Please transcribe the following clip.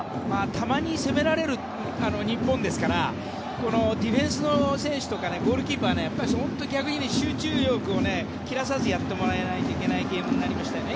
たまに攻められる日本ですからディフェンスの選手とかゴールキーパーは本当に逆に集中力を切らさずやってもらわないといけないゲームになりましたよね